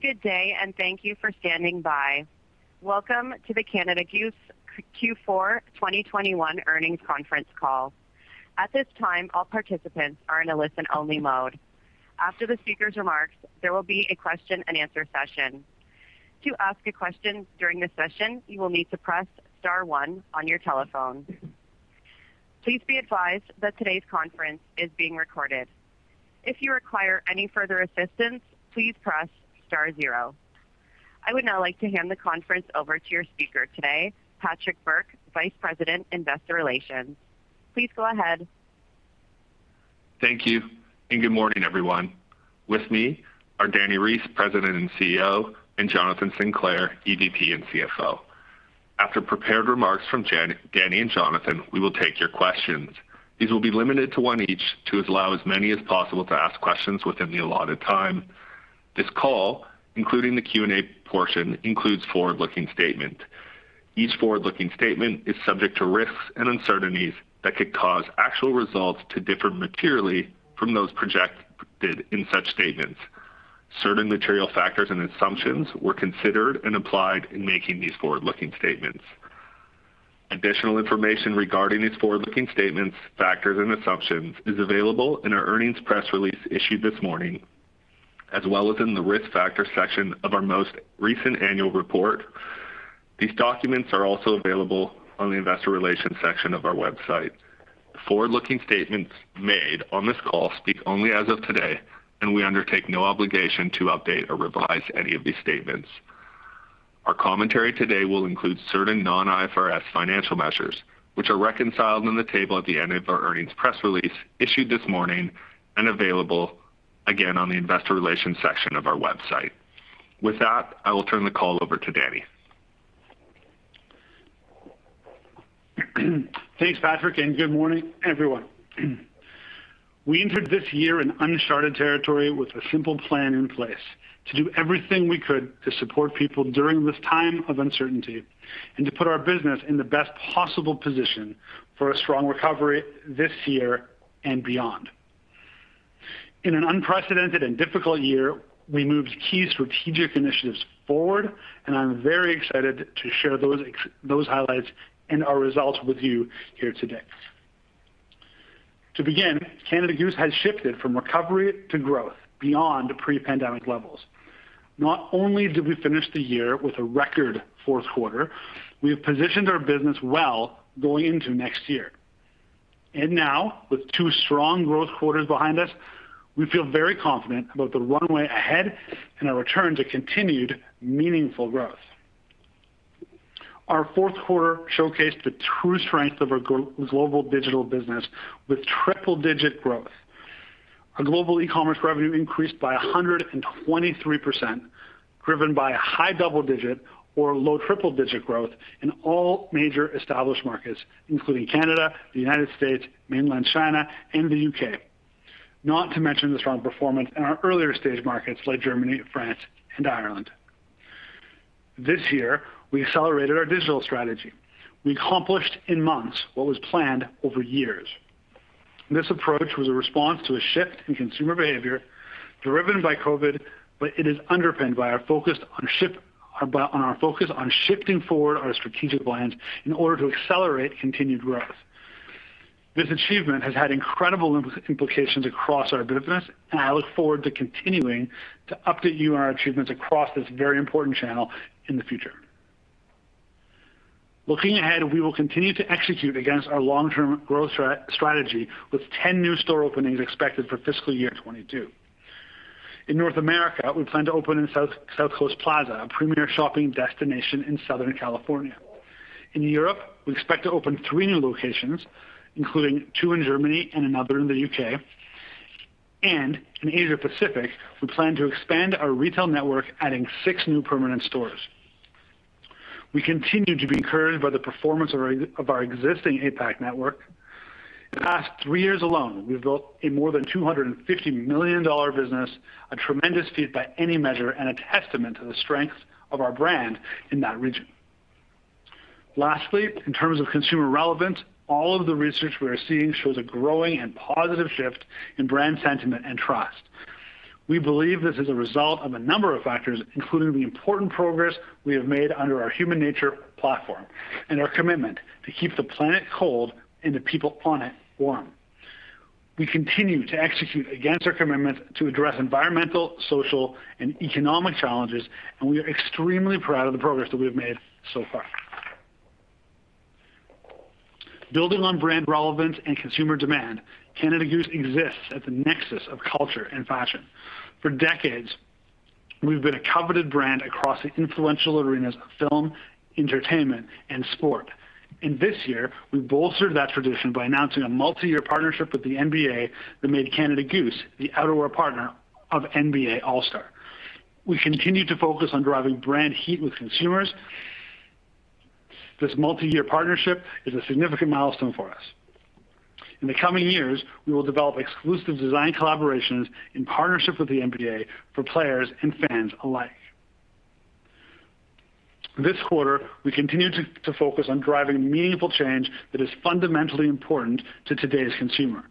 Good day, and thank you for standing by. Welcome to the Canada Goose Q4 2021 earnings conference call. At this time, all participants are in a listen-only mode. After the speaker's remarks, there will be a question-and-answer session. To ask a question during the session, you will need to press star one on your telephone. Please be advised that today's conference is being recorded. If you require any further assistance, please press star zero. I would now like to hand the conference over to your speaker today, Patrick Burke, Vice President, Investor Relations. Please go ahead. Thank you, and good morning, everyone. With me are Dani Reiss, President and CEO, and Jonathan Sinclair, EVP and CFO. After prepared remarks from Dani and Jonathan, we will take your questions. These will be limited to one each to allow as many as possible to ask questions within the allotted time. This call, including the Q&A portion, includes forward-looking statement. Each forward-looking statement is subject to risks and uncertainties that could cause actual results to differ materially from those projected in such statements. Certain material factors and assumptions were considered and applied in making these forward-looking statements. Additional information regarding these forward-looking statements, factors, and assumptions is available in our earnings press release issued this morning, as well as in the Risk Factors section of our most recent annual report. These documents are also available on the Investor Relations section of our website. The forward-looking statements made on this call speak only as of today, and we undertake no obligation to update or revise any of these statements. Our commentary today will include certain non-IFRS financial measures, which are reconciled in the table at the end of our earnings press release issued this morning and available, again, on the Investor Relations section of our website. With that, I will turn the call over to Dani. Thanks, Patrick, and good morning, everyone. We entered this year in uncharted territory with a simple plan in place, to do everything we could to support people during this time of uncertainty and to put our business in the best possible position for a strong recovery this year and beyond. In an unprecedented and difficult year, we moved key strategic initiatives forward, and I'm very excited to share those highlights and our results with you here today. To begin, Canada Goose has shifted from recovery to growth beyond pre-pandemic levels. Not only did we finish the year with a record fourth quarter, we have positioned our business well going into next year. Now, with two strong growth quarters behind us, we feel very confident about the runway ahead and our return to continued meaningful growth. Our fourth quarter showcased the true strength of our global digital business with triple-digit growth. Our global e-commerce revenue increased by 123%, driven by a high double-digit or a low triple-digit growth in all major established markets, including Canada, the United States, Mainland China, and the U.K. Not to mention the strong performance in our earlier stage markets like Germany, France, and Ireland. This year, we accelerated our digital strategy. We accomplished in months what was planned over years. This approach was a response to a shift in consumer behavior driven by COVID, but it is underpinned by our focus on shifting forward our strategic plans in order to accelerate continued growth. This achievement has had incredible implications across our business, and I look forward to continuing to update you on our achievements across this very important channel in the future. Looking ahead, we will continue to execute against our long-term growth strategy with 10 new store openings expected for fiscal year 2022. In North America, we plan to open in South Coast Plaza, a premier shopping destination in Southern California. In Europe, we expect to open three new locations, including two in Germany and another in the U.K. In Asia Pacific, we plan to expand our retail network, adding six new permanent stores. We continue to be encouraged by the performance of our existing APAC network. In the past three years alone, we've built a more than 250 million dollar business, a tremendous feat by any measure, and a testament to the strength of our brand in that region. Lastly, in terms of consumer relevance, all of the research we are seeing shows a growing and positive shift in brand sentiment and trust. We believe this is a result of a number of factors, including the important progress we have made under our HUMANATURE platform and our commitment to keep the planet cold and the people on it warm. We continue to execute against our commitment to address environmental, social, and economic challenges, and we are extremely proud of the progress that we have made so far. Building on brand relevance and consumer demand, Canada Goose exists at the nexus of culture and fashion. For decades, we've been a coveted brand across the influential arenas of film, entertainment, and sport. This year, we bolstered that tradition by announcing a multi-year partnership with the NBA that made Canada Goose the outerwear partner of NBA All-Star. We continue to focus on driving brand heat with consumers. This multi-year partnership is a significant milestone for us. In the coming years, we will develop exclusive design collaborations in partnership with the NBA for players and fans alike. This quarter, we continued to focus on driving meaningful change that is fundamentally important to today's consumer.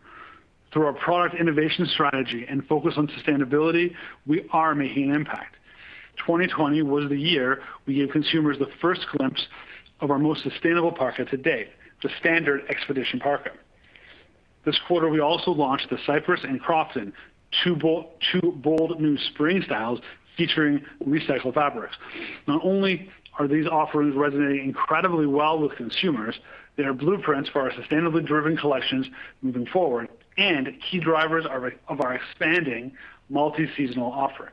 Through our product innovation strategy and focus on sustainability, we are making an impact. 2020 was the year we gave consumers the 1st glimpse of our most sustainable parka to date, the Standard Expedition Parka. This quarter, we also launched the Cypress and Crofton, two bold new spring styles featuring recycled fabrics. Not only are these offerings resonating incredibly well with consumers, they are blueprints for our sustainably driven collections moving forward and key drivers of our expanding multi-seasonal offering.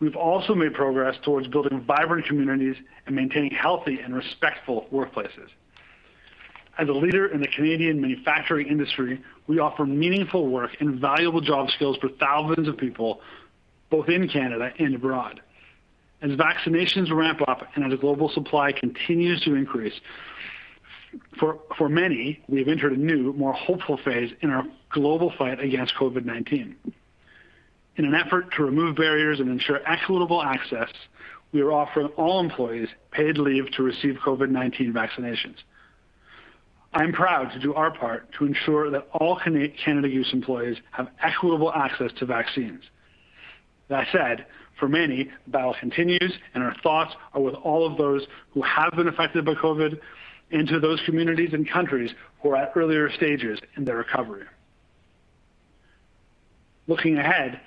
We've also made progress towards building vibrant communities and maintaining healthy and respectful workplaces. As a leader in the Canadian manufacturing industry, we offer meaningful work and valuable job skills for thousands of people both in Canada and abroad. As vaccinations ramp up and as global supply continues to increase, for many, we have entered a new, more hopeful phase in our global fight against COVID-19. In an effort to remove barriers and ensure equitable access, we are offering all employees paid leave to receive COVID-19 vaccinations. I am proud to do our part to ensure that all Canada Goose employees have equitable access to vaccines. That said, for many, the battle continues, and our thoughts are with all of those who have been affected by COVID and to those communities and countries who are at earlier stages in their recovery. Looking ahead,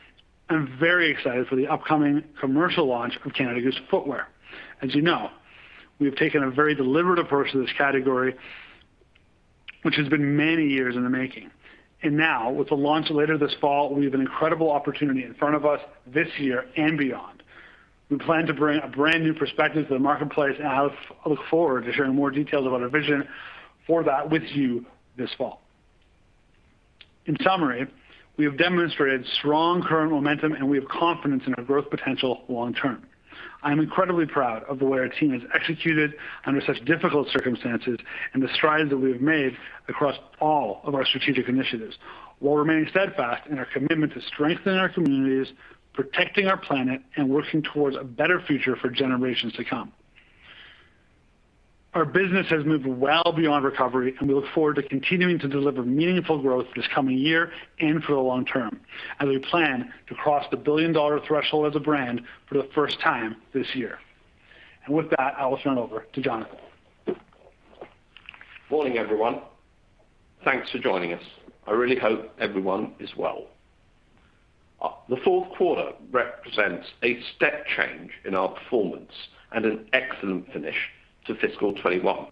I'm very excited for the upcoming commercial launch of Canada Goose footwear. As you know, we have taken a very deliberate approach to this category, which has been many years in the making. Now, with the launch later this fall, we have an incredible opportunity in front of us this year and beyond. We plan to bring a brand new perspective to the marketplace, and I look forward to sharing more details about our vision for that with you this fall. In summary, we have demonstrated strong current momentum, and we have confidence in our growth potential long term. I am incredibly proud of the way our team has executed under such difficult circumstances and the strides that we have made across all of our strategic initiatives while remaining steadfast in our commitment to strengthening our communities, protecting our planet, and working towards a better future for generations to come. Our business has moved well beyond recovery, we look forward to continuing to deliver meaningful growth this coming year and for the long term as we plan to cross the 1 billion threshold as a brand for the 1st time this year. With that, I'll turn it over to Jonathan. Morning, everyone. Thanks for joining us. I really hope everyone is well. The fourth quarter represents a step change in our performance and an excellent finish to fiscal 2021.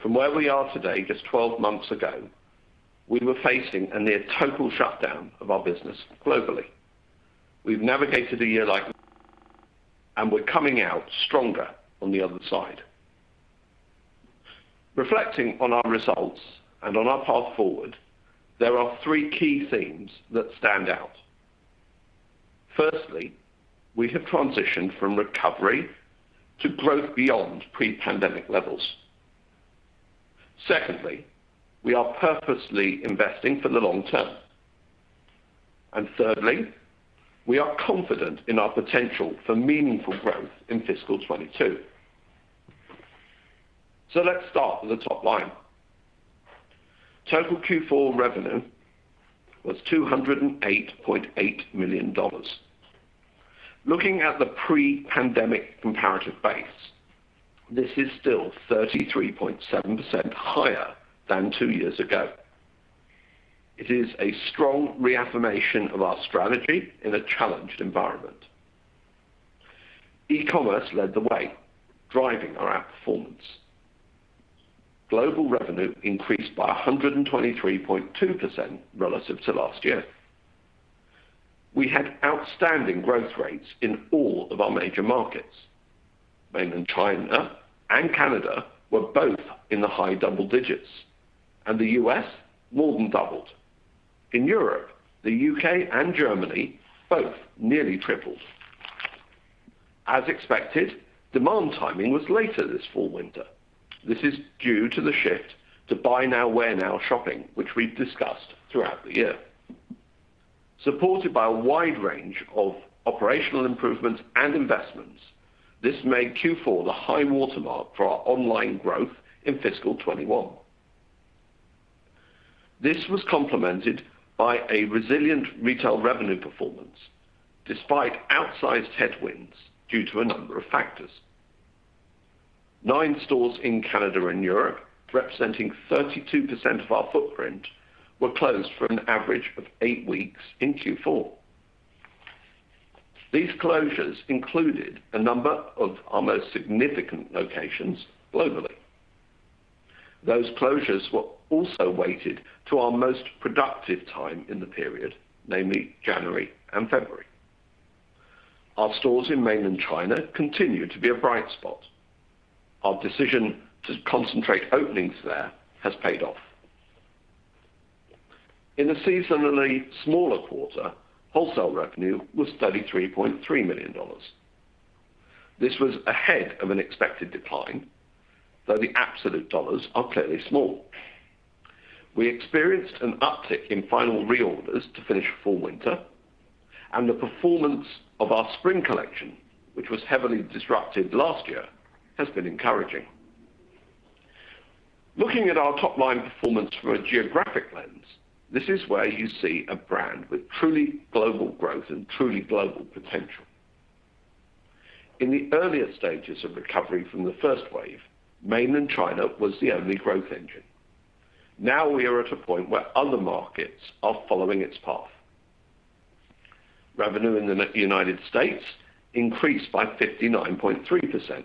From where we are today, just 12 months ago, we were facing a near total shutdown of our business globally. We've navigated a year, and we're coming out stronger on the other side. Reflecting on our results and on our path forward, there are three key themes that stand out. Firstly, we have transitioned from recovery to growth beyond pre-pandemic levels. Secondly, we are purposely investing for the long term. Thirdly, we are confident in our potential for meaningful growth in fiscal 2022. Let's start with the top line. Total Q4 revenue was 208.8 million dollars. Looking at the pre-pandemic comparative base, this is still 33.7% higher than two years ago. It is a strong reaffirmation of our strategy in a challenged environment. E-commerce led the way, driving our outperformance. Global revenue increased by 123.2% relative to last year. We had outstanding growth rates in all of our major markets. Mainland China and Canada were both in the high double digits, and the U.S. more than doubled. In Europe, the U.K. and Germany both nearly tripled. As expected, demand timing was later this Fall Winter. This is due to the shift to buy-now wear-now shopping, which we've discussed throughout the year. Supported by a wide range of operational improvements and investments, this made Q4 the high-water mark for our online growth in fiscal 2021. This was complemented by a resilient retail revenue performance, despite outsized headwinds due to a number of factors. 9 stores in Canada and Europe, representing 32% of our footprint, were closed for an average of 8 weeks in Q4. These closures included a number of our most significant locations globally. Those closures were also weighted to our most productive time in the period, namely January and February. Our stores in Mainland China continue to be a bright spot. Our decision to concentrate openings there has paid off. In the seasonally smaller quarter, wholesale revenue was 33.3 million dollars. This was ahead of an expected decline, though the absolute CAD are clearly small. We experienced an uptick in final reorders to finish Fall Winter, and the performance of our spring collection, which was heavily disrupted last year, has been encouraging. Looking at our top-line performance from a geographic lens, this is where you see a brand with truly global growth and truly global potential. In the earlier stages of recovery from the 1st wave, Mainland China was the only growth engine. Now we are at a point where other markets are following its path. Revenue in the United States increased by 59.3%,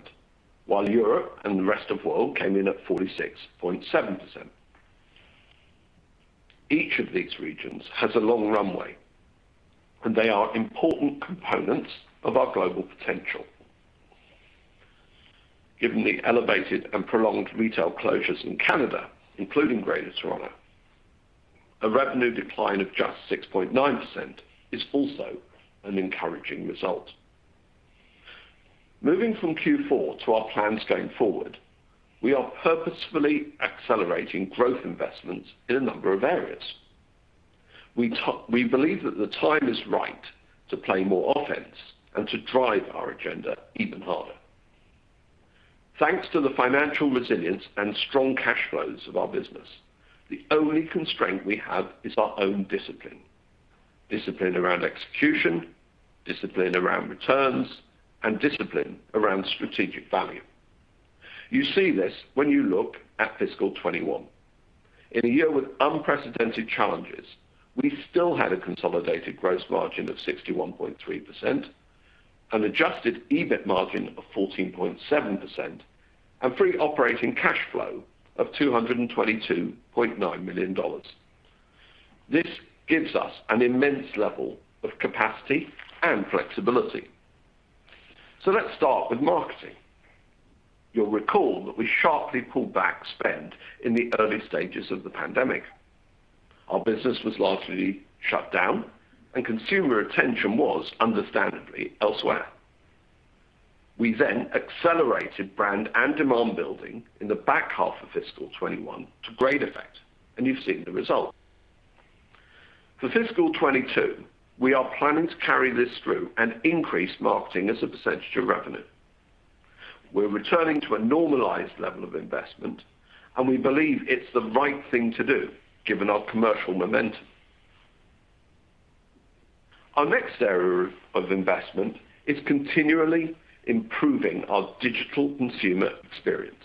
while Europe and the rest of world came in at 46.7%. Each of these regions has a long runway, and they are important components of our global potential. Given the elevated and prolonged retail closures in Canada, including Greater Toronto, a revenue decline of just 6.9% is also an encouraging result. Moving from Q4 to our plans going forward, we are purposefully accelerating growth investments in a number of areas. We believe that the time is right to play more offense and to drive our agenda even harder. Thanks to the financial resilience and strong cash flows of our business, the only constraint we have is our own discipline. Discipline around execution, discipline around returns, and discipline around strategic value. You see this when you look at fiscal 2021. In a year with unprecedented challenges, we still had a consolidated gross margin of 61.3%, an adjusted EBIT margin of 14.7%, and free operating cash flow of 222.9 million dollars. This gives us an immense level of capacity and flexibility. Let's start with marketing. You'll recall that we sharply pulled back spend in the early stages of the pandemic. Our business was largely shut down, and consumer attention was understandably elsewhere. We then accelerated brand and demand building in the back half of fiscal 2021 to great effect, and you've seen the result. For fiscal 2022, we are planning to carry this through and increase marketing as a percentage of revenue. We're returning to a normalized level of investment. We believe it's the right thing to do given our commercial momentum. Our next area of investment is continually improving our digital consumer experience.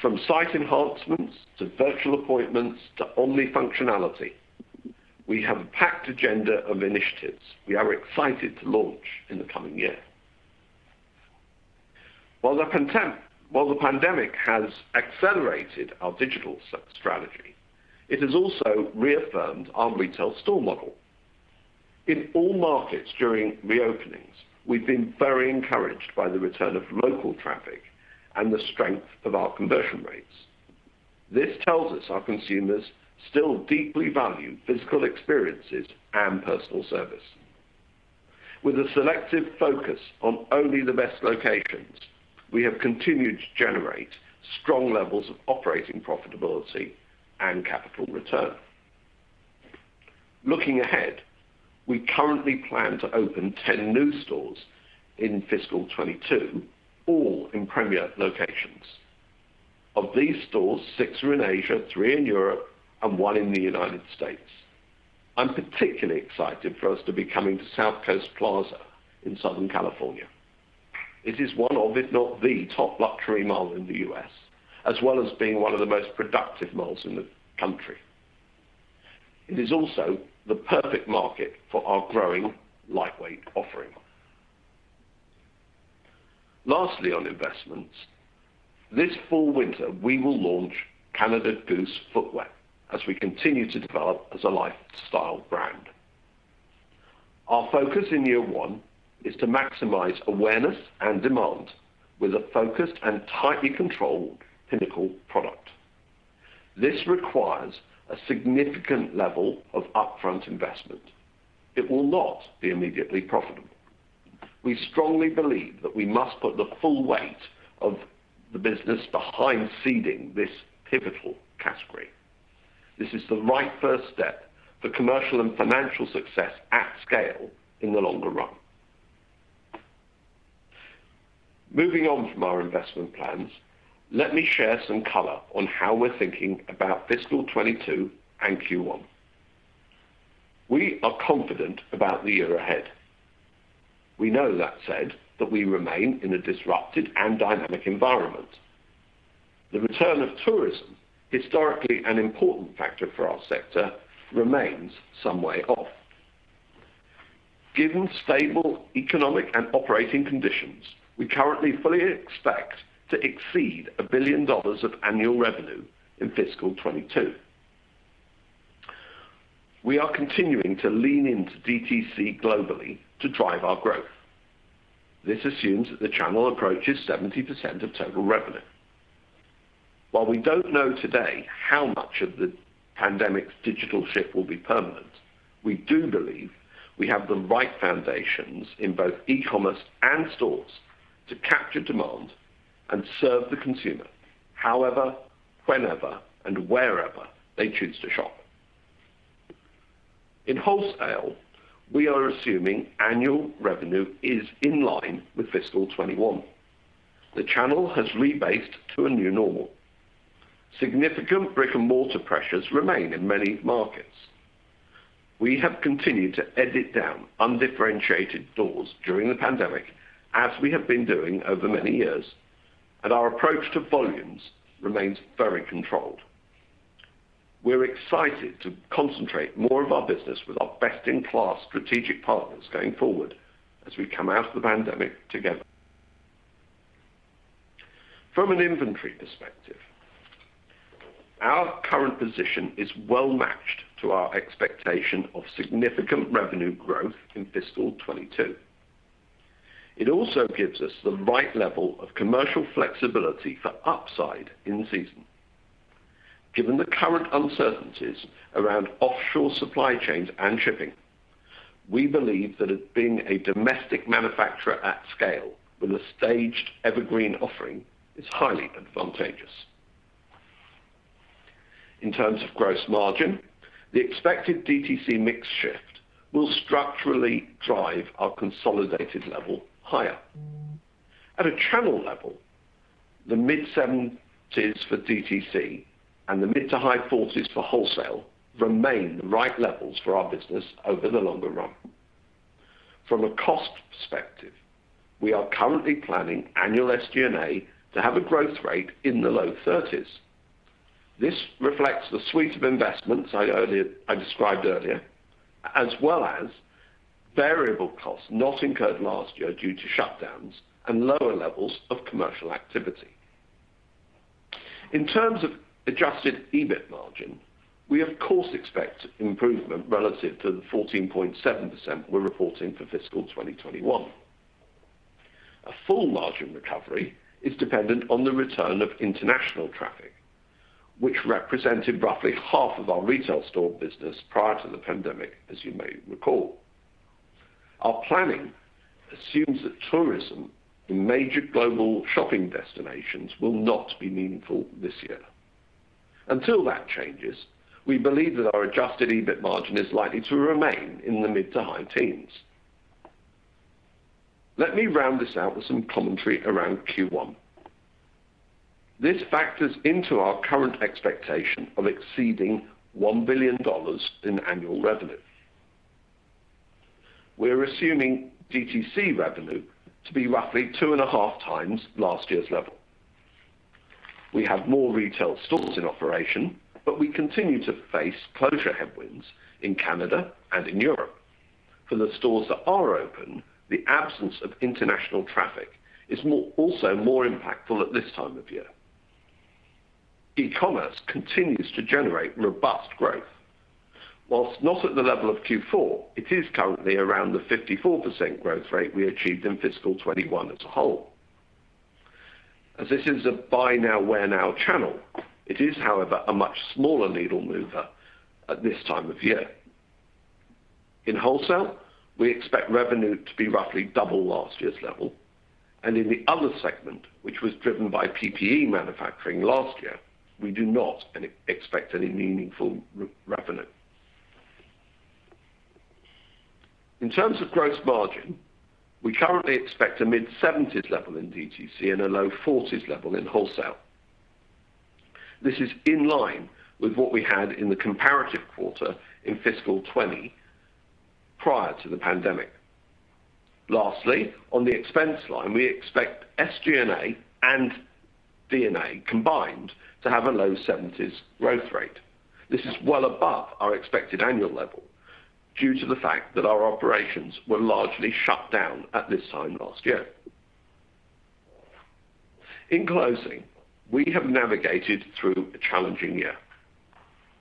From site enhancements to virtual appointments to omni functionality, we have a packed agenda of initiatives we are excited to launch in the coming year. While the pandemic has accelerated our digital strategy, it has also reaffirmed our retail store model. In all markets during re-openings, we've been very encouraged by the return of local traffic and the strength of our conversion rates. This tells us our consumers still deeply value physical experiences and personal service. With a selective focus on only the best locations, we have continued to generate strong levels of operating profitability and capital return. Looking ahead, we currently plan to open 10 new stores in fiscal 2022, all in premier locations. Of these stores, six are in Asia, three in Europe, and one in the U.S. I'm particularly excited for us to be coming to South Coast Plaza in Southern California. It is one of, if not the top luxury mall in the U.S., as well as being one of the most productive malls in the country. It is also the perfect market for our growing lightweight offering. Lastly, on investments. This Fall Winter, we will launch Canada Goose footwear as we continue to develop as a lifestyle brand. Our focus in year one is to maximize awareness and demand with a focused and tightly controlled pinnacle product. This requires a significant level of upfront investment. It will not be immediately profitable. We strongly believe that we must put the full weight of the business behind seeding this pivotal category. This is the right 1st step for commercial and financial success at scale in the longer run. Moving on from our investment plans, let me share some color on how we're thinking about fiscal 2022 and Q1. We are confident about the year ahead. We know that said, that we remain in a disrupted and dynamic environment. The return of tourism, historically an important factor for our sector, remains some way off. Given stable economic and operating conditions, we currently fully expect to exceed 1 billion dollars of annual revenue in fiscal 2022. We are continuing to lean into DTC globally to drive our growth. This assumes that the channel approaches 70% of total revenue. While we don't know today how much of the pandemic's digital shift will be permanent, we do believe we have the right foundations in both e-commerce and stores to capture demand and serve the consumer however, whenever and wherever they choose to shop. In wholesale, we are assuming annual revenue is in line with fiscal 2021. The channel has rebased to a new normal. Significant brick-and-mortar pressures remain in many markets. We have continued to edit down undifferentiated doors during the pandemic, as we have been doing over many years, and our approach to volumes remains very controlled. We're excited to concentrate more of our business with our best-in-class strategic partners going forward as we come out of the pandemic together. From an inventory perspective, our current position is well-matched to our expectation of significant revenue growth in fiscal 2022. It also gives us the right level of commercial flexibility for upside in season. Given the current uncertainties around offshore supply chains and shipping, we believe that being a domestic manufacturer at scale with a staged evergreen offering is highly advantageous. In terms of gross margin, the expected DTC mix shift will structurally drive our consolidated level higher. At a channel level, the mid-70s for DTC and the mid to high 40s for wholesale remain the right levels for our business over the longer run. From a cost perspective, we are currently planning annual SG&A to have a growth rate in the low 30s. This reflects the suite of investments I described earlier, as well as variable costs not incurred last year due to shutdowns and lower levels of commercial activity. In terms of adjusted EBIT margin, we of course expect improvement relative to the 14.7% we're reporting for fiscal 2021. A full margin recovery is dependent on the return of international traffic, which represented roughly half of our retail store business prior to the pandemic, as you may recall. Our planning assumes that tourism in major global shopping destinations will not be meaningful this year. Until that changes, we believe that our adjusted EBIT margin is likely to remain in the mid to high teens. Let me round this out with some commentary around Q1. This factors into our current expectation of exceeding 1 billion dollars in annual revenue. We're assuming DTC revenue to be roughly 2.5x last year's level. We have more retail stores in operation, but we continue to face closure headwinds in Canada and in Europe. For the stores that are open, the absence of international traffic is also more impactful at this time of year. E-commerce continues to generate robust growth. Whilst not at the level of Q4, it is currently around the 54% growth rate we achieved in fiscal 2021 as a whole. As this is a buy now, wear now channel, it is, however, a much smaller needle mover at this time of year. In wholesale, we expect revenue to be roughly double last year's level, and in the other segment, which was driven by PPE manufacturing last year, we do not expect any meaningful revenue. In terms of gross margin, we currently expect a mid-70s level in DTC and a low 40s level in wholesale. This is in line with what we had in the comparative quarter in fiscal 2020, prior to the pandemic. Lastly, on the expense line, we expect SG&A and D&A combined to have a low 70s growth rate. This is well above our expected annual level due to the fact that our operations were largely shut down at this time last year. In closing, we have navigated through a challenging year.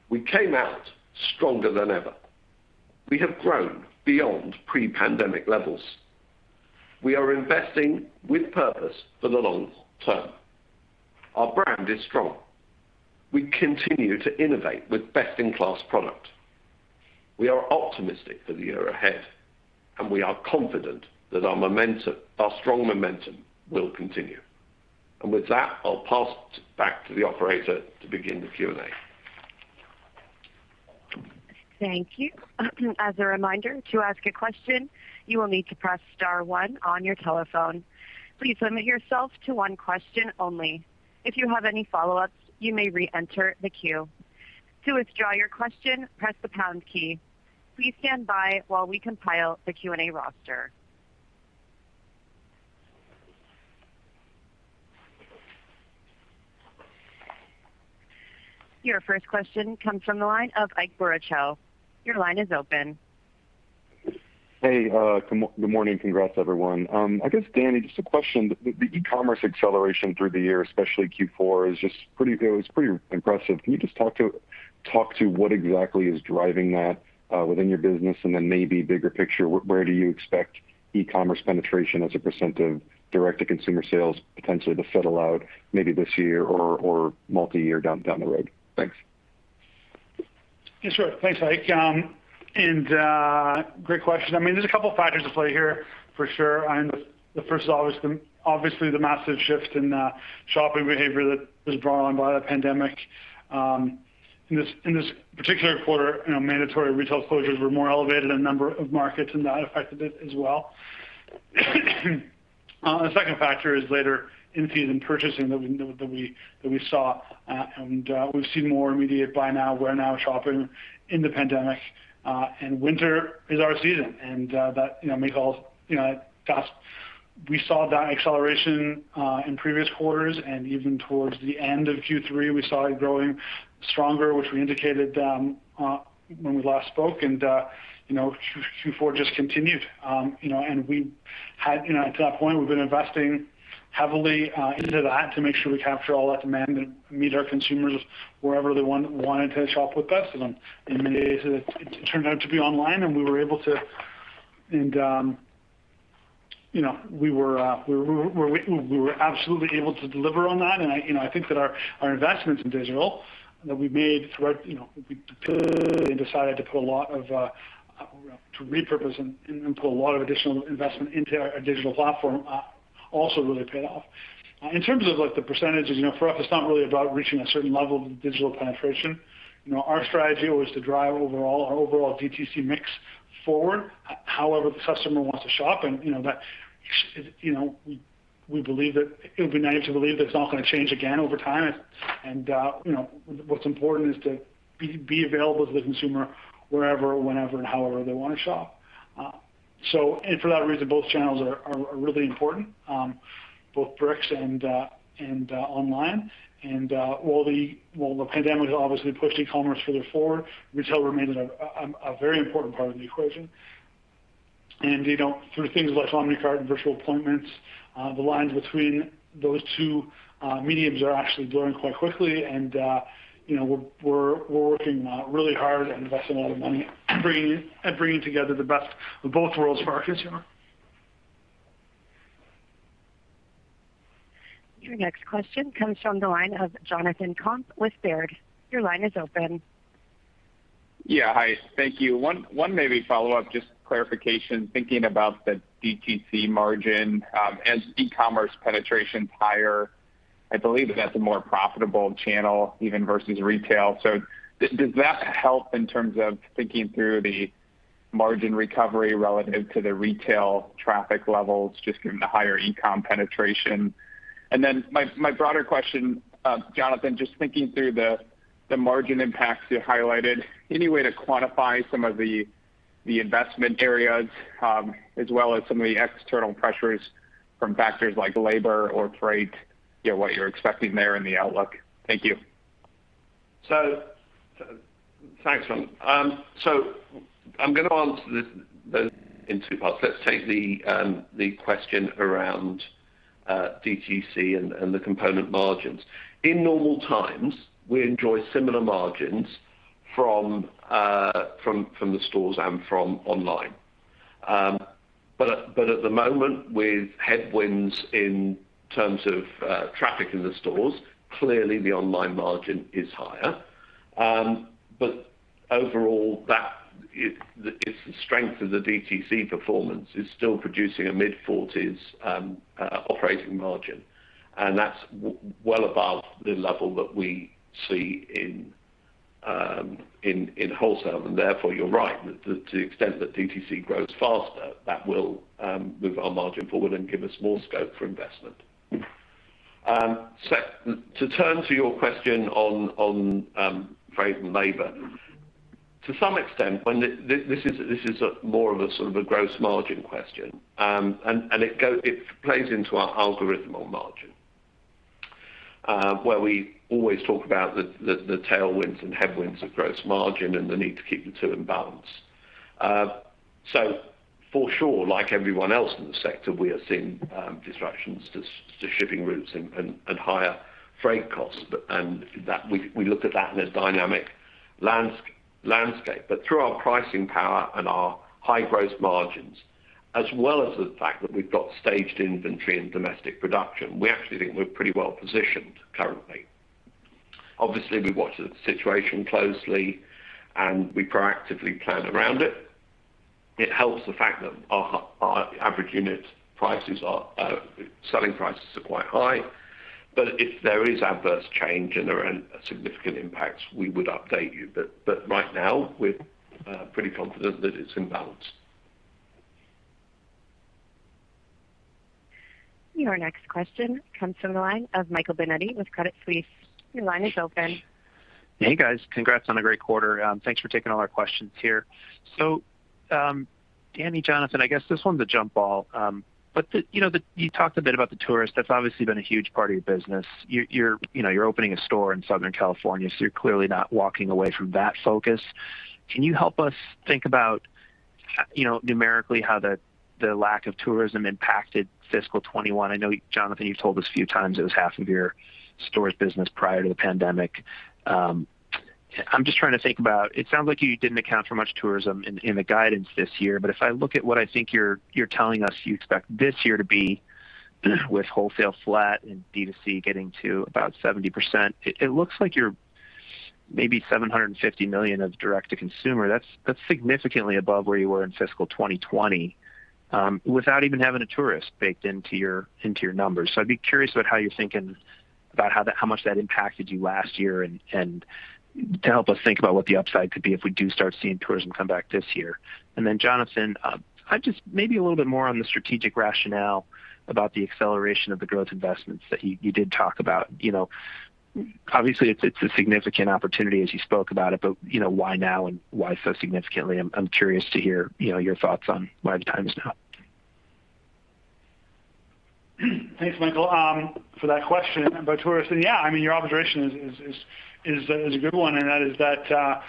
We came out stronger than ever. We have grown beyond pre-pandemic levels. We are investing with purpose for the long term. Our brand is strong. We continue to innovate with best-in-class product. We are optimistic for the year ahead, and we are confident that our strong momentum will continue. With that, I'll pass it back to the operator to begin the Q&A. Thank you. As a reminder, to ask a question, you will need to press star one on your telephone. Please limit yourself to one question only. If you have any follow-ups, you may reenter the queue. To withdraw your question, press the pound key. Please stand by while we compile the Q&A roster. Your 1st question comes from the line of Ike Boruchow. Your line is open. Hey, good morning. Congrats, everyone. I guess, Dani, just a question. The e-commerce acceleration through the year, especially Q4, it was pretty impressive. Can you just talk to what exactly is driving that within your business? Maybe bigger picture, where do you expect e-commerce penetration as a percent of direct-to-consumer sales, potentially to settle out maybe this year or multi-year down the road? Thanks. Yeah, sure. Thanks, Ike. Great question. There's a couple factors at play here for sure. The 1st is obviously the massive shift in shopping behavior that was brought on by the pandemic. In this particular quarter, mandatory retail closures were more elevated in a number of markets, and that affected it as well. The 2nd factor is later in-season purchasing that we saw, and we've seen more immediate buy-now wear-now shopping in the pandemic. Winter is our season. We saw that acceleration in previous quarters, and even towards the end of Q3, we saw it growing stronger, which we indicated when we last spoke. Q4 just continued. To that point, we've been investing heavily into that to make sure we capture all that demand and meet our consumers wherever they wanted to shop with us. In many cases, it turned out to be online, and we were absolutely able to deliver on that. I think that our investments in digital that we made throughout decided to repurpose and put a lot of additional investment into our digital platform, also really paid off. In terms of the percentages, for us, it's not really about reaching a certain level of digital penetration. Our strategy was to drive our overall DTC mix forward, however the customer wants to shop. We believe that it would be naive to believe that it's not going to change again over time. What's important is to be available to the consumer wherever, whenever, and however they want to shop. For that reason, both channels are really important, both bricks and online. While the pandemic has obviously pushed e-commerce further forward, retail remains a very important part of the equation. Through things like omni-cart and virtual appointments, the lines between those two mediums are actually blurring quite quickly. We're working really hard and investing a lot of money at bringing together the best of both worlds for our consumer. Your next question comes from the line of Jonathan Komp with Baird. Your line is open. Yeah, hi. Thank you. One maybe follow-up, just clarification, thinking about the DTC margin. As e-commerce penetration is higher, I believe that that's a more profitable channel even versus retail. Does that help in terms of thinking through the margin recovery relative to the retail traffic levels, just given the higher e-com penetration? Then my broader question, Jonathan, just thinking through the margin impacts you highlighted, any way to quantify some of the investment areas as well as some of the external pressures from factors like labor or freight, what you're expecting there in the outlook? Thank you. Thanks, Jon. I'm going to answer this in two parts. Let's take the question around DTC and the component margins. In normal times, we enjoy similar margins from the stores and from online. At the moment, with headwinds in terms of traffic in the stores, clearly the online margin is higher. Overall, it's the strength of the DTC performance is still producing a mid-40s operating margin, and that's well above the level that we see in wholesale. Therefore, you're right. To the extent that DTC grows faster, that will move our margin forward and give us more scope for investment. To turn to your question on freight and labor. To some extent, this is more of a gross margin question. It plays into our algorithmal margin, where we always talk about the tailwinds and headwinds of gross margin and the need to keep the two in balance. For sure, like everyone else in the sector, we are seeing disruptions to shipping routes and higher freight costs. We look at that in this dynamic landscape. Through our pricing power and our high gross margins, as well as the fact that we've got staged inventory and domestic production, we actually think we're pretty well positioned currently. Obviously, we watch the situation closely, and we proactively plan around it. It helps the fact that our average unit selling prices are quite high. If there is adverse change and there are significant impacts, we would update you. Right now, we're pretty confident that it's in balance. Your next question comes from the line of Michael Binetti with Credit Suisse. Your line is open. Hey, guys. Congrats on a great quarter. Thanks for taking all our questions here. Dani, Jonathan, I guess this one's a jump ball. You talked a bit about the tourists. That's obviously been a huge part of your business. You're opening a store in Southern California, so you're clearly not walking away from that focus. Can you help us think about numerically how the lack of tourism impacted fiscal 2021? I know, Jonathan Sinclair, you've told us a few times it was half of your stores business prior to the pandemic. I'm just trying to think about, it sounds like you didn't account for much tourism in the guidance this year. If I look at what I think you're telling us you expect this year to be with wholesale flat and DTC getting to about 70%, it looks like you're maybe 750 million of direct-to-consumer. That's significantly above where you were in fiscal 2020, without even having a tourist baked into your numbers. I'd be curious about how you're thinking about how much that impacted you last year and to help us think about what the upside could be if we do start seeing tourism come back this year. Jonathan, maybe a little bit more on the strategic rationale about the acceleration of the growth investments that you did talk about. Obviously, it's a significant opportunity as you spoke about it, why now and why so significantly? I'm curious to hear your thoughts on why the time is now. Thanks, Michael, for that question. Tourism, yeah, your observation is a good one, and that is that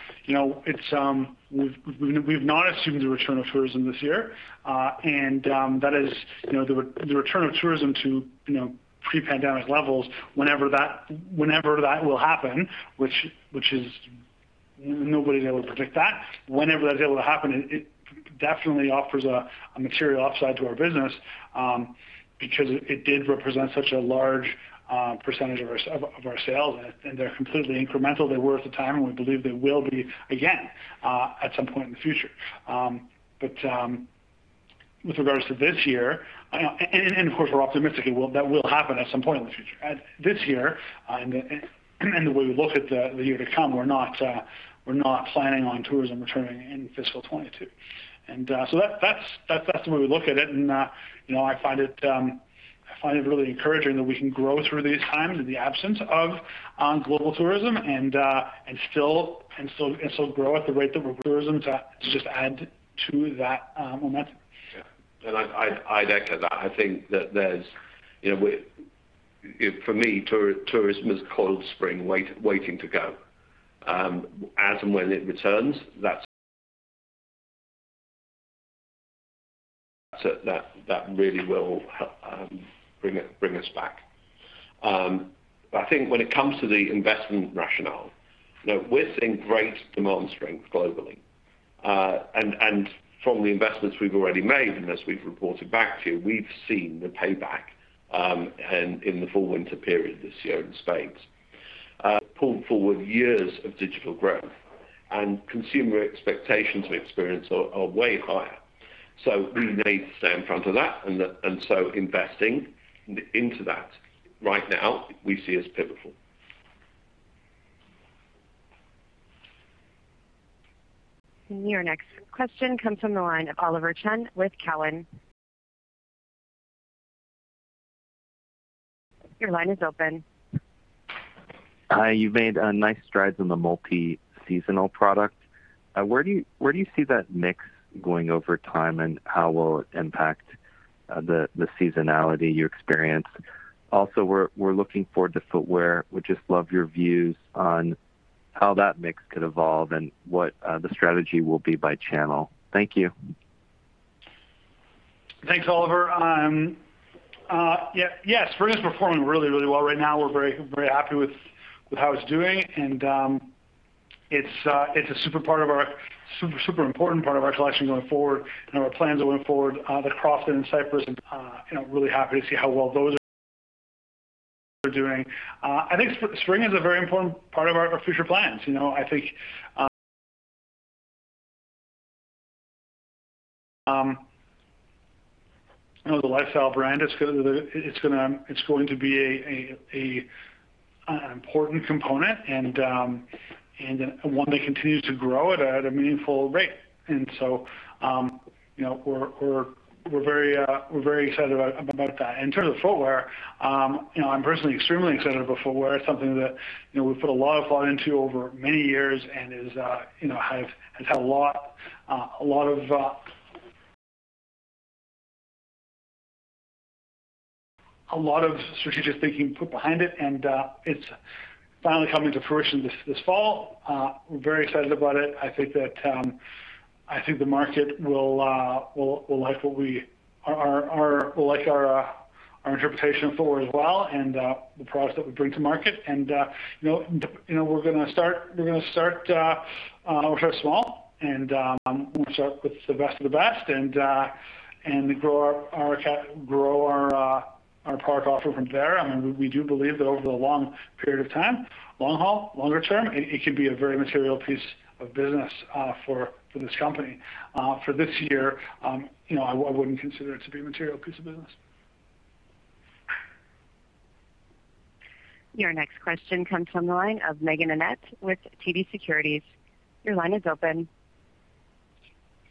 we've not assumed the return of tourism this year. The return of tourism to pre-pandemic levels, whenever that will happen, which nobody's able to predict that, whenever that's able to happen, it definitely offers a material upside to our business, because it did represent such a large percentage of our sales, and they're completely incremental. They were at the time, and we believe they will be again, at some point in the future. With regards to this year and of course, we're optimistic that will happen at some point in the future. This year, and the way we look at the year to come, we're not planning on tourism returning in fiscal 2022. That's the way we look at it, and I find it really encouraging that we can grow through these times in the absence of global tourism and still grow at the rate that we're tourism to just add to that momentum. Yeah. I'd echo that. I think that, for me, tourism is a coiled spring waiting to go. As and when it returns, that really will help bring us back. I think when it comes to the investment rationale, we're seeing great demand strength globally. From the investments we've already made and as we've reported back to you, we've seen the payback in the Fall Winter period this year in spades. Pulled forward years of digital growth and consumer expectations and experience are way higher. We need to stay in front of that and so investing into that right now, we see as pivotal. Your next question comes from the line of Oliver Chen with Cowen. Your line is open. Hi. You've made nice strides in the multi-seasonal product. Where do you see that mix going over time, and how will it impact the seasonality you experience? We're looking forward to footwear. Would just love your views on how that mix could evolve and what the strategy will be by channel. Thank you. Thanks, Oliver. Yes, spring is performing really well right now. We're very happy with how it's doing, and it's a super important part of our collection going forward and our plans going forward. The Crofton and Cypress, really happy to see how well those are doing. I think spring is a very important part of our future plans. I think the lifestyle brand, it's going to be an important component and one that continues to grow at a meaningful rate. We're very excited about that. In terms of footwear, I'm personally extremely excited about footwear. It's something that we've put a lot of thought into over many years and has had a lot of strategic thinking put behind it, and it's finally coming to fruition this fall. We're very excited about it. I think the market will like our interpretation of footwear as well and the products that we bring to market. We're going to start small, and we'll start with the best of the best and grow our product offer from there. We do believe that over the long period of time, long haul, longer term, it could be a very material piece of business for this company. For this year, I wouldn't consider it to be a material piece of business. Your next question comes from the line of Meaghan Annett with TD Securities. Your line is open.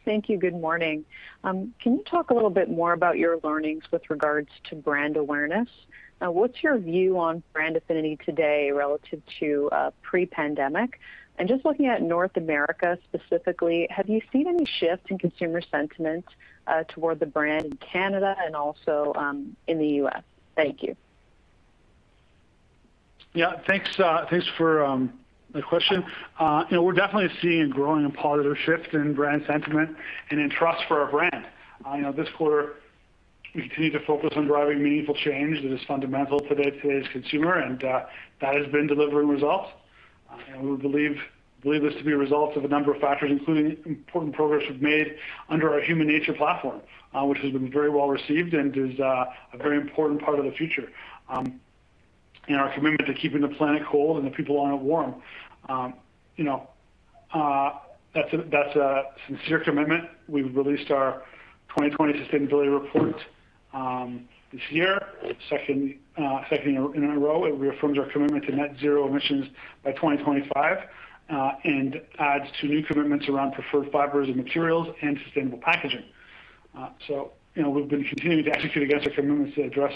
Thank you. Good morning. Can you talk a little bit more about your learnings with regards to brand awareness? What's your view on brand affinity today relative to pre-pandemic? Just looking at North America specifically, have you seen any shift in consumer sentiment toward the brand in Canada and also in the U.S.? Thank you. Yeah. Thanks for the question. We're definitely seeing a growing and positive shift in brand sentiment and in trust for our brand. This quarter, we continue to focus on driving meaningful change that is fundamental to today's consumer, and that has been delivering results. We believe this to be a result of a number of factors, including important progress we've made under our HUMANATURE platform, which has been very well received and is a very important part of the future. Our commitment to keeping the planet cold and the people on it warm. That's a sincere commitment. We've released our 2020 sustainability report this year, 2nd in a row. It reaffirms our commitment to net zero emissions by 2025, and adds two new commitments around preferred fibers and materials and sustainable packaging. We've been continuing to execute against our commitments to address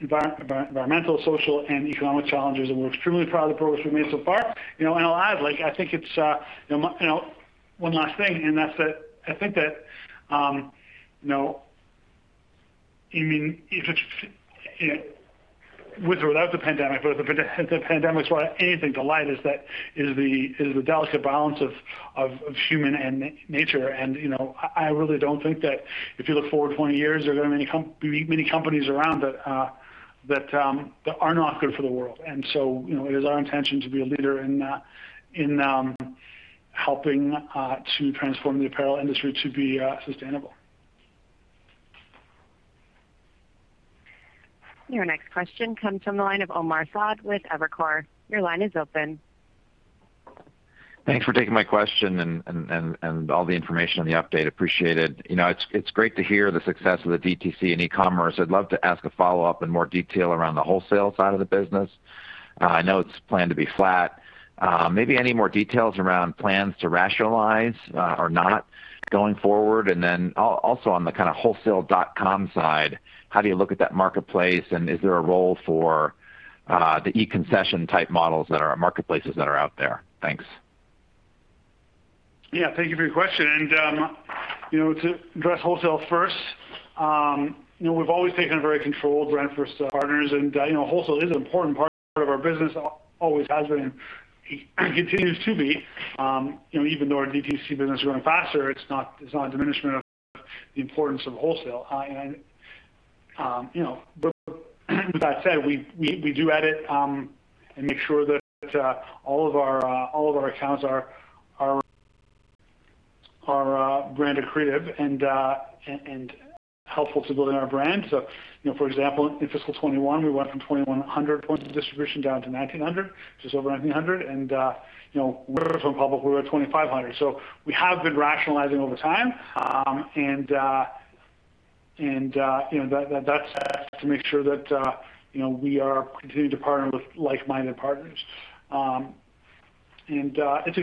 environmental, social, and economic challenges, and we're extremely proud of the progress we've made so far. I'll add, I think it's one last thing, and that's that I think that, with or without the pandemic, but if the pandemic's taught anything to light is that is the delicate balance of HUMANATURE. I really don't think that if you look forward 20 years, there are going to be many companies around that are not good for the world. It is our intention to be a leader in helping to transform the apparel industry to be sustainable. Your next question comes from the line of Omar Saad with Evercore. Your line is open. Thanks for taking my question and all the information on the update. Appreciate it. It's great to hear the success of the DTC and e-commerce. I'd love to ask a follow-up in more detail around the wholesale side of the business. I know it's planned to be flat. Maybe any more details around plans to rationalize or not going forward? Also on the kind of wholesale dotcom side, how do you look at that marketplace, and is there a role for the e-concession type models that are at marketplaces that are out there? Thanks. Yeah. Thank you for your question. To address wholesale 1st, we've always taken a very controlled brand 1st partners and wholesale is an important part of our business, always has been and continues to be. Even though our DTC business is growing faster, it's not a diminishment of the importance of wholesale. With that said, we do edit, and make sure that all of our accounts are brand accretive and helpful to building our brand. For example, in fiscal 2021, we went from 2,100 points of distribution down to 1,900, just over 1,900. When we went public, we were at 2,500. We have been rationalizing over time. That's to make sure that we are continuing to partner with like-minded partners. It's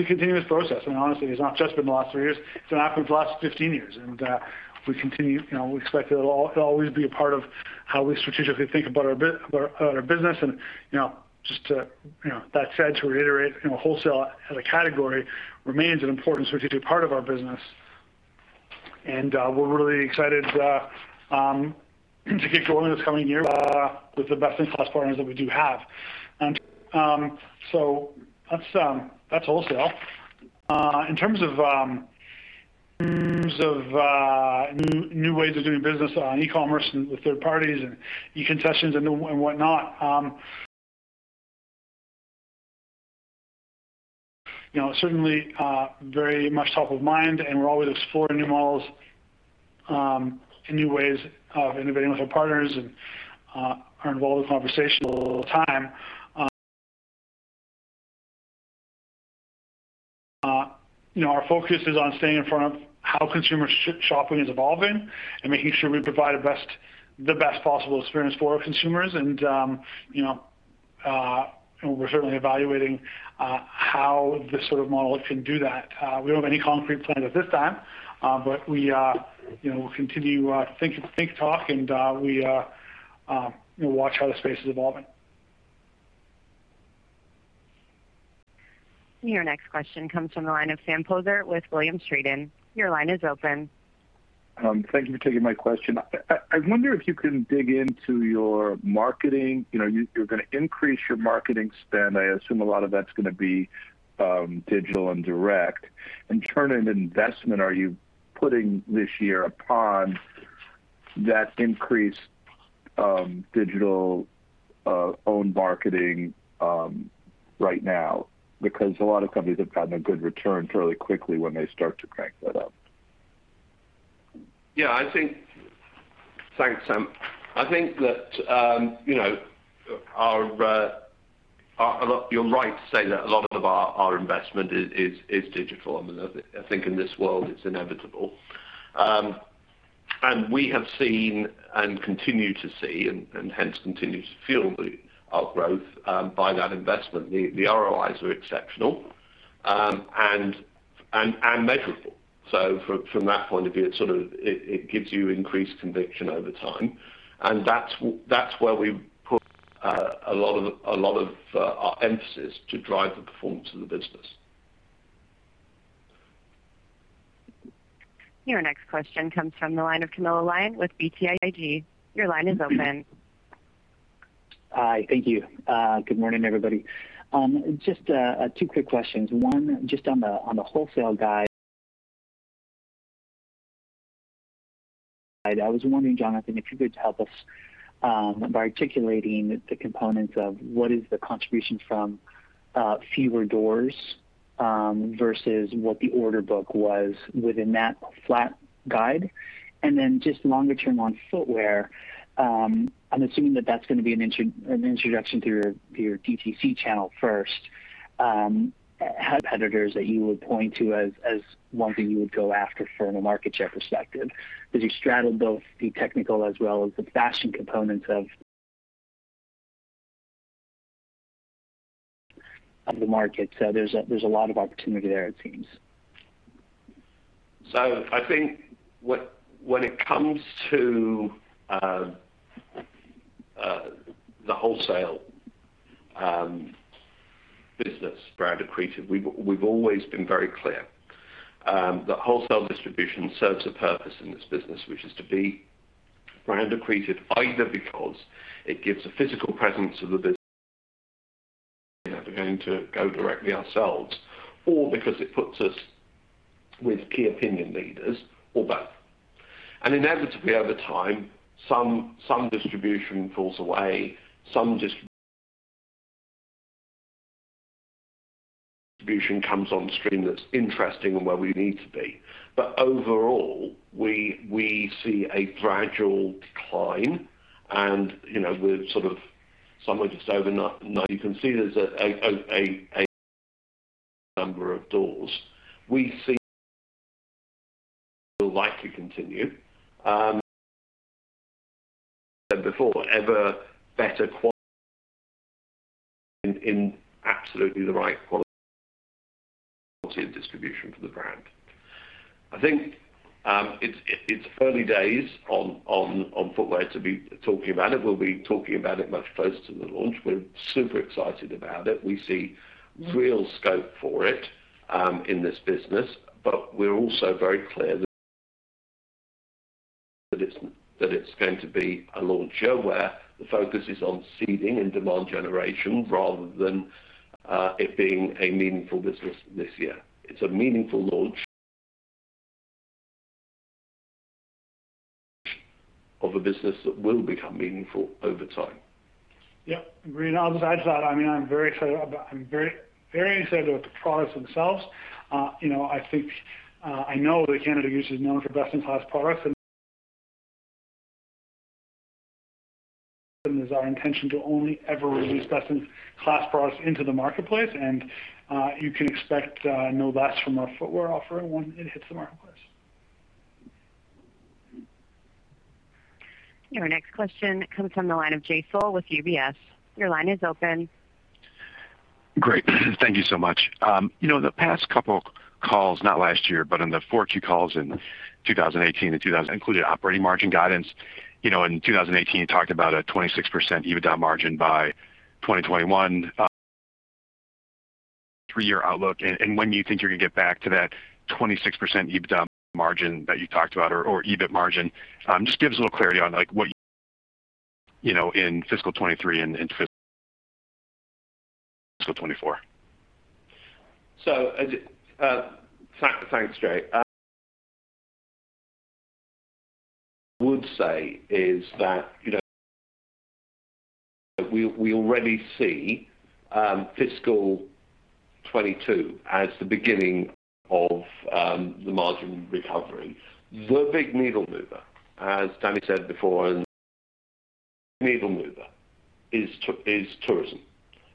a continuous process. Honestly, it's not just been the last three years, it's been happening for the last 15 years. We expect it'll always be a part of how we strategically think about our business. Just to that said, to reiterate, wholesale as a category remains an important strategic part of our business, and we're really excited to get going this coming year with the best-in-class partners that we do have. That's wholesale. In terms of new ways of doing business on e-commerce and with third-parties and e-concessions and whatnot, certainly very much top of mind, and we're always exploring new models, and new ways of innovating with our partners and are involved in conversation all the time. Our focus is on staying in front of how consumer shopping is evolving and making sure we provide the best possible experience for our consumers. We're certainly evaluating how this sort of model can do that. We don't have any concrete plans at this time. We'll continue to talk, and we watch how the space is evolving. Your next question comes from the line of Sam Poser with Williams Trading. Your line is open. Thank you for taking my question. I wonder if you can dig into your marketing. You're gonna increase your marketing spend. I assume a lot of that's gonna be digital and direct. In terms of investment, are you putting this year upon that increased digital owned marketing right now? Because a lot of companies have gotten a good return fairly quickly when they start to crank that up. Yeah. Thanks, Sam. I think that you're right to say that a lot of our investment is digital. I think in this world, it's inevitable. We have seen and continue to see and hence continue to fuel our growth, by that investment. The ROIs are exceptional, and measurable. From that point of view, it gives you increased conviction over time. That's where we put a lot of our emphasis to drive the performance of the business. Your next question comes from the line of Camilo Lyon with BTIG. Your line is open. Hi. Thank you. Good morning, everybody. Just two quick questions. One, just on the wholesale guide. I was wondering, Jonathan, if you could help us by articulating the components of what is the contribution from fewer doors versus what the order book was within that flat guide. Then just longer term on footwear, I'm assuming that that's going to be an introduction through your DTC channel first. Have competitors that you would point to as one thing you would go after from a market share perspective, because you straddled both the technical as well as the fashion components of the market? There's a lot of opportunity there, it seems. I think when it comes to the wholesale business, brand accretive, we've always been very clear. The wholesale distribution serves a purpose in this business, which is to be brand accretive, either because it gives a physical presence of the business going to go directly ourselves, or because it puts us with key opinion leaders, or both. Inevitably, over time, some distribution falls away, some distribution comes on stream that's interesting and where we need to be. Overall, we see a gradual decline, and we're sort of somewhere just over 1,900. You can see there's a number of doors. We see will likely continue. Said before, ever better quality of distribution for the brand. I think it's early days on footwear to be talking about it. We'll be talking about it much closer to the launch. We're super excited about it. We see real scope for it in this business, but we're also very clear that it's going to be a launcher where the focus is on seeding and demand generation rather than it being a meaningful business this year. It's a meaningful launch of a business that will become meaningful over time. Yeah. I'll just add to that, I'm very excited about the products themselves. I know that Canada Goose is known for best-in-class products, and is our intention to only ever release best-in-class products into the marketplace. You can expect no less from our footwear offer when it hits the marketplace. Your next question comes from the line of Jay Sole with UBS. Your line is open. Great. Thank you so much. The past couple calls, not last year, but in the 4Q calls in 2018 and 2019 included operating margin guidance. In 2018, you talked about a 26% EBITDA margin by 2021. three-year outlook, and when you think you're going to get back to that 26% EBITDA margin that you talked about or EBIT margin. Just give us a little clarity on what in fiscal 2023 and into fiscal 2024. Thanks, Jay. I would say is that, we already see FY 2022 as the beginning of the margin recovery. The big needle mover, as Dani said before, is tourism,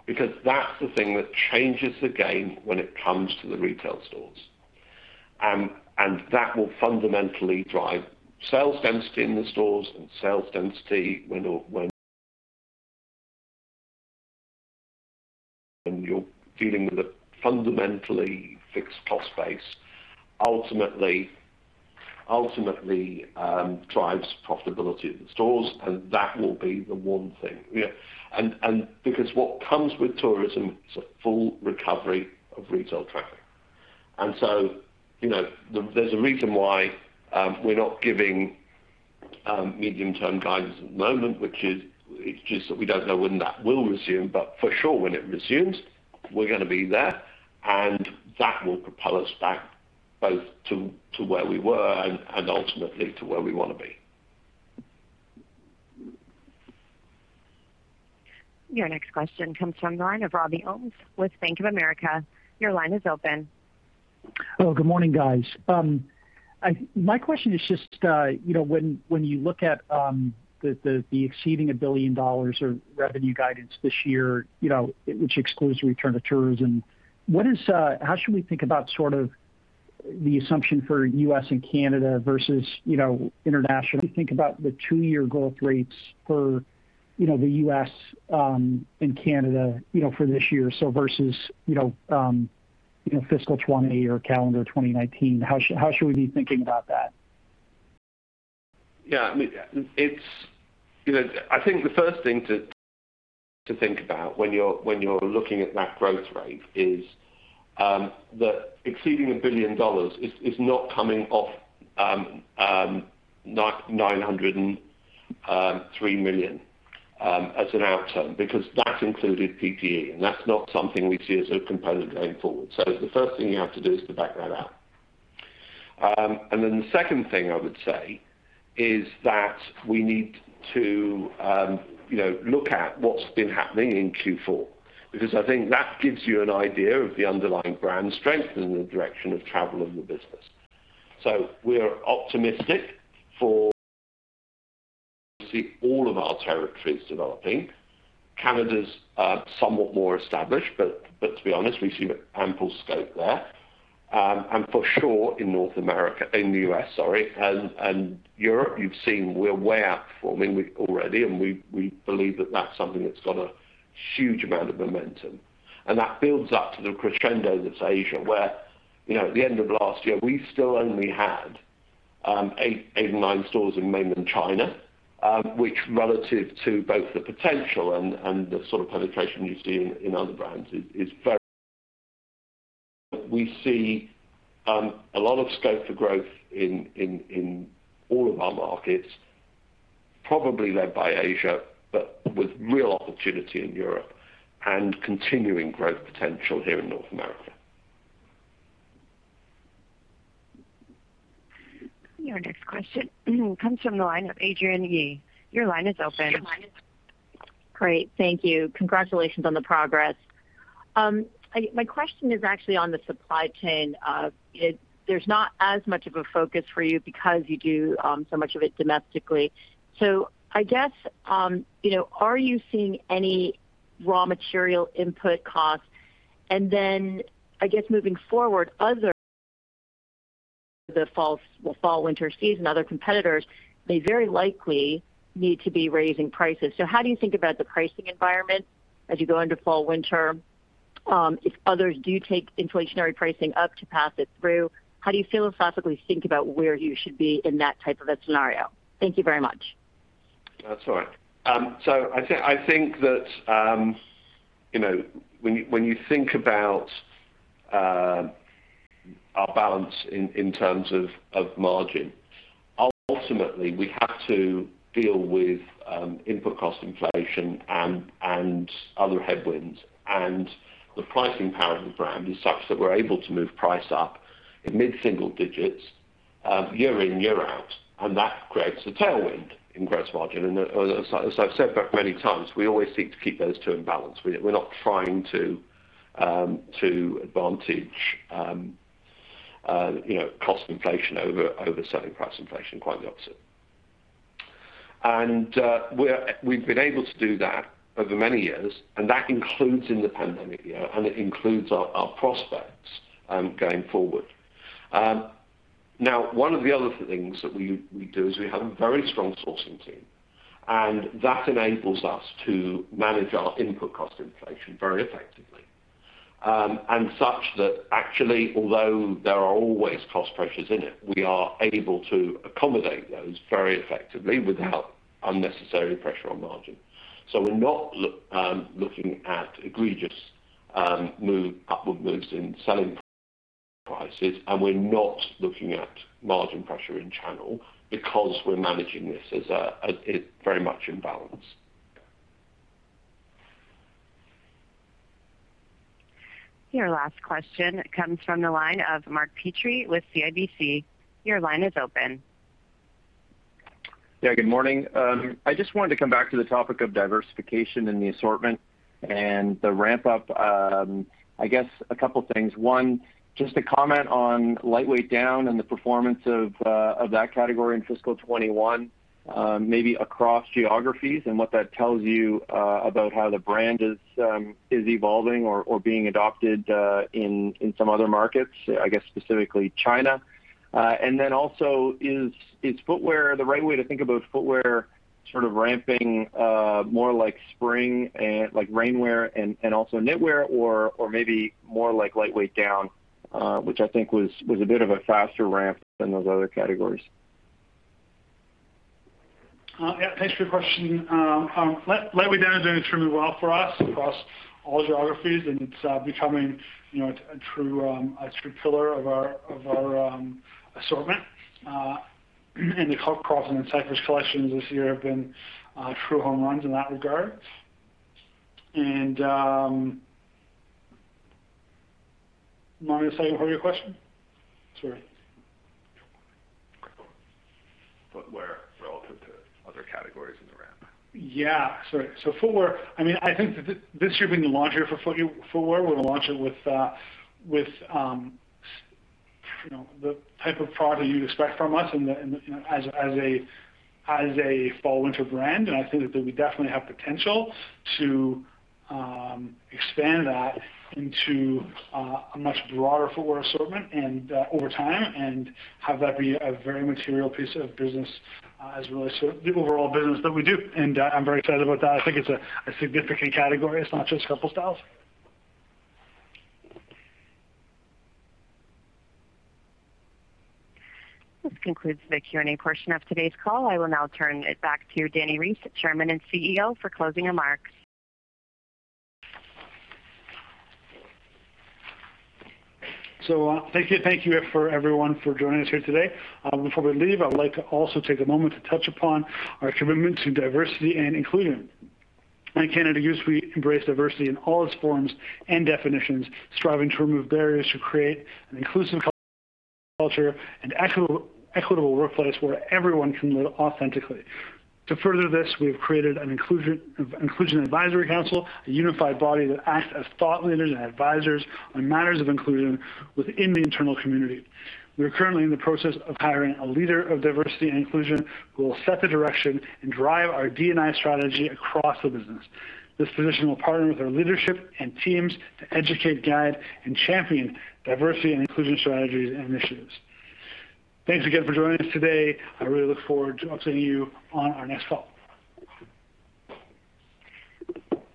because that's the thing that changes the game when it comes to the retail stores. That will fundamentally drive sales density in the stores and sales density when you're dealing with a fundamentally fixed cost base, ultimately drives profitability in the stores, and that will be the one thing. What comes with tourism is a full recovery of retail traffic. There's a reason why we're not giving medium-term guidance at the moment, which is just that we don't know when that will resume, but for sure when it resumes, we're going to be there, and that will propel us back both to where we were and ultimately to where we want to be. Your next question comes from the line of Robert Ohmes with Bank of America. Your line is open. Hello. Good morning, guys. My question is just when you look at the exceeding 1 billion dollars of revenue guidance this year which excludes return to tourism, how should we think about sort of the assumption for U.S. and Canada versus international? You think about the two-year growth rates for the U.S. and Canada for this year versus fiscal 2020 or calendar 2019. How should we be thinking about that? Yeah. I think the 1st thing to think about when you're looking at that growth rate is that exceeding 1 billion dollars is not coming off 903 million as an outcome because that included PPE, and that's not something we see as a component going forward. The 1st thing you have to do is to back that out. The 2nd thing I would say is that we need to look at what's been happening in Q4, because I think that gives you an idea of the underlying brand strength and the direction of travel of the business. We are optimistic for see all of our territories developing. Canada's somewhat more established, but to be honest, we see ample scope there. For sure in the U.S. and Europe, you've seen we're way outperforming already, and we believe that that's something that's got a huge amount of momentum. That builds up to the crescendo that's Asia, where at the end of last year, we still only had eight or nine stores in Mainland China, which relative to both the potential and the sort of penetration you see in other brands. We see a lot of scope for growth in all of our markets, probably led by Asia, but with real opportunity in Europe and continuing growth potential here in North America. Your next question comes from the line of Adrienne Yih. Your line is open. Great, thank you. Congratulations on the progress. My question is actually on the supply chain. There is not as much of a focus for you because you do so much of it domestically. I guess, are you seeing any raw material input costs? I guess moving forward, other the Fall Winter season, other competitors may very likely need to be raising prices. How do you think about the pricing environment as you go into Fall Winter? If others do take inflationary pricing up to pass it through, how do you philosophically think about where you should be in that type of a scenario? Thank you very much. That's all right. I think that when you think about our balance in terms of margin, ultimately, we have to deal with input cost inflation and other headwinds. The pricing power of the brand is such that we're able to move price up in mid-single digits year in, year out, and that creates a tailwind in gross margin. As I've said many times, we always seek to keep those two in balance. We're not trying to advantage cost inflation over selling price inflation. Quite the opposite. We've been able to do that over many years, and that includes in the pandemic year, and it includes our prospects going forward. One of the other things that we do is we have a very strong sourcing team, and that enables us to manage our input cost inflation very effectively. Such that actually, although there are always cost pressures in it, we are able to accommodate those very effectively without unnecessary pressure on margin. We're not looking at egregious upward moves in selling prices, and we're not looking at margin pressure in channel because we're managing this very much in balance. Your last question comes from the line of Mark Petrie with CIBC. Your line is open. Good morning. I just wanted to come back to the topic of diversification in the assortment and the ramp-up. I guess a couple of things. One, just a comment on lightweight down and the performance of that category in fiscal 2021 maybe across geographies and what that tells you about how the brand is evolving or being adopted in some other markets, I guess specifically China. Also, is footwear the right way to think about footwear sort of ramping more like spring and like rainwear and also knitwear or maybe more like lightweight down, which I think was a bit of a faster ramp than those other categories? Yeah, thanks for your question. Lightweight down is doing extremely well for us across all geographies, and it's becoming a true pillar of our assortment. The Crofton and Cypress collections this year have been true home runs in that regard. Mark, sorry, what was the 2nd part of your question? Sorry. Footwear relative to other categories in the ramp. Yeah. Sorry. Footwear, I think this year being the launch year for footwear, we're going to launch it with the type of product that you'd expect from us as a Fall Winter brand. I think that we definitely have potential to expand that into a much broader footwear assortment over time and have that be a very material piece of business as it relates to the overall business that we do. I'm very excited about that. I think it's a significant category. It's not just a couple of styles. This concludes the Q&A portion of today's call. I will now turn it back to Dani Reiss, Chairman and CEO, for closing remarks. Thank you everyone for joining us here today. Before we leave, I would like to also take a moment to touch upon our commitment to diversity and inclusion. At Canada Goose, we embrace diversity in all its forms and definitions, striving to remove barriers to create an inclusive culture and equitable workplace where everyone can live authentically. To further this, we have created an Inclusion Advisory Council, a unified body that acts as thought leaders and advisors on matters of inclusion within the internal community. We are currently in the process of hiring a leader of diversity and inclusion who will set the direction and drive our D&I strategy across the business. This position will partner with our leadership and teams to educate, guide, and champion diversity and inclusion strategies and initiatives. Thanks again for joining us today. I really look forward to updating you on our next call.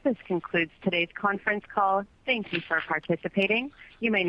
This concludes today's conference call. Thank you for participating. You may now disconnect.